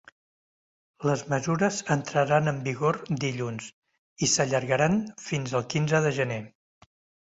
Les mesures entraran en vigor dilluns i s’allargaran fins al quinze de gener.